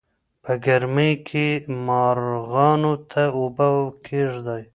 په ګرمۍ کې مارغانو ته اوبه کېږدئ.